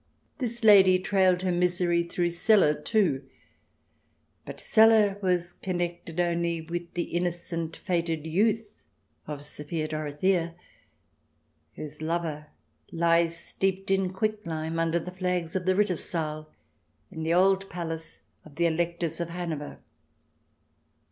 This lady trailed her misery through Celle, too. But Celle was connected only with the innocent, feted youth of Sophia Dorothea, whose lover lies steeped in quicklime under the flags of the Ritter Saal in the old palace of the Electors of Hanover.